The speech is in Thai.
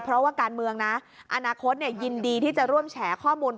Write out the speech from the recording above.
เพราะว่าการเมืองนะอนาคตยินดีที่จะร่วมแฉข้อมูล